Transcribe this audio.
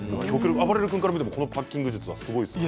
あばれる君から見てもこのパッキング術はすごいですか。